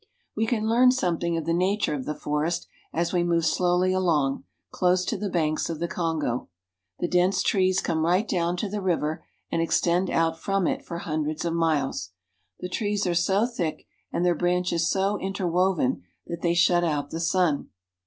^ We can learn something of the nature of the forest as we move slowly along, close to the banks of the Kongo. The dense trees come right down to the river and ex tend out from it for hundreds of miles. The trees are so thick, and their branches so interwoven, that they shut out the sun.